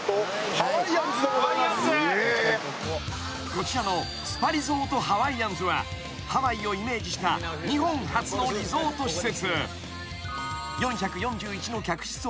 ［こちらのスパリゾートハワイアンズはハワイをイメージした日本初のリゾート施設］